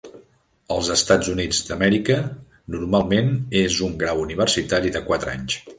Als EUA, normalment és un grau universitari de quatre anys.